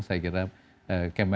saya kira kemenkes kemudian